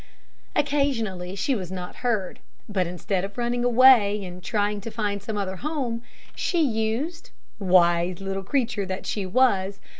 Occasionally she was not heard; but instead of running away, and trying to find some other home, she used wise little creature that she was!